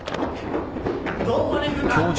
どこに行くんだ！？